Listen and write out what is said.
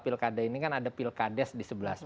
pilkada ini kan ada pilkades di sebelah